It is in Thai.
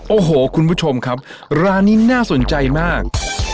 โอ้โหคุณผู้ชมครับร้านนี้น่าสนใจมาก